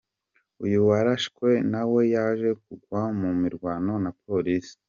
Uyu warashe nawe yaje kugwa mu mirwano na Polisi.